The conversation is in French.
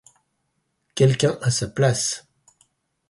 Quelqu’un à sa place.